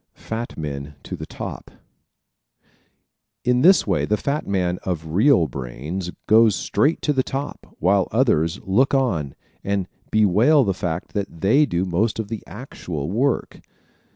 Fat Men to the Top ¶ In this way the fat man of real brains goes straight to the top while others look on and bewail the fact that they do most of the actual work.